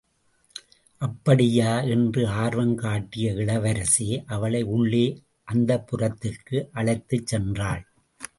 அப்படியா? என்று ஆர்வம் காட்டிய இளவரசி அவளை உள்ளே அந்தப்புரத்திற்கு அழைத்துச் சென்றாள்.